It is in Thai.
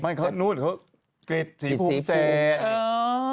ไม่เค้านู้นเค้ากริดสีพรุ่งเสร็จ